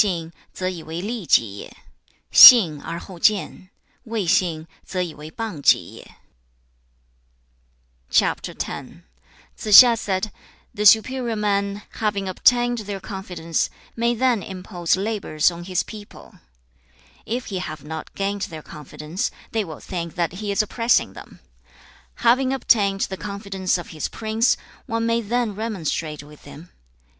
Tsze hsia said, 'The superior man, having obtained their confidence, may then impose labours on his people. If he have not gained their confidence, they will think that he is oppressing them. Having obtained the confidence of his prince, one may then remonstrate with him.